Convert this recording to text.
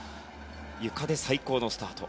ゆかで最高のスタート。